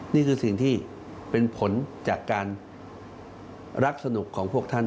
นี่คือสิ่งที่เป็นผลจากการรักสนุกของพวกท่าน